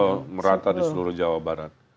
rata rata di seluruh jawa barat